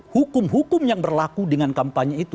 hukum hukum yang berlaku dengan kampanye itu